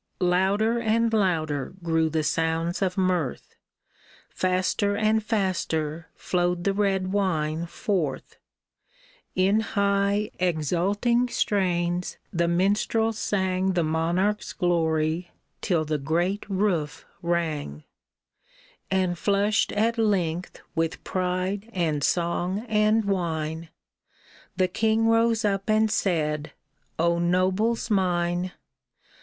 Louder and louder grew the sounds of mirth ; Faster and faster flowed the red wine forth ; In high, exulting strains the minstrels sang The monarch's glory, till the great roof rang ; And flushed at length with pride and song and wine, The king rose up and said, " O nobles mine